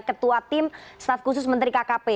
ketua tim staf khusus menteri kkp